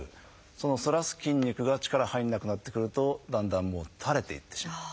その反らす筋肉が力入らなくなってくるとだんだん垂れていってしまう。